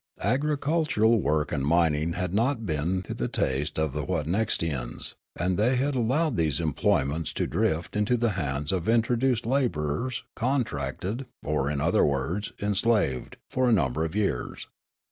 Agricultural work and mining had not been Wotnekst 211 to the taste of the Wotnekstians, and they had allowed these employments to drift into the hands of introduced labourers, contracted, or, in other words, enslaved, for a number of years.